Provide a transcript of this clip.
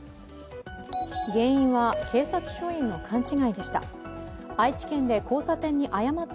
原因は警察署員の勘違いでした。